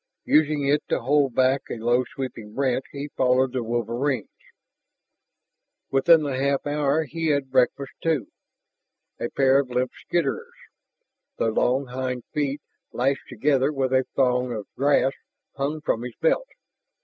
Using it to hold back a low sweeping branch, he followed the wolverines. Within the half hour he had breakfast, too. A pair of limp skitterers, their long hind feet lashed together with a thong of grass, hung from his belt.